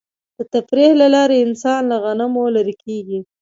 د تفریح له لارې انسان له غمونو لرې کېږي.